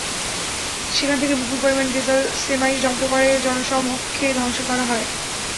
সেখান থেকে বিপুল পরিমাণ ভেজাল সেমাই জব্দ করে জনসমক্ষে ধ্বংস করা হয়।